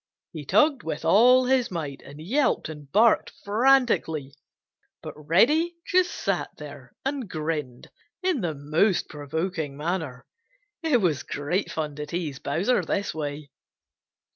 He tugged with all his might and yelped and barked frantically, but Reddy just sat there and grinned in the most provoking manner. It was great fun to tease Bowser this way.